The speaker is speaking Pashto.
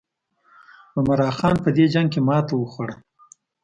عمرا خان په دې جنګ کې ماته وخوړه.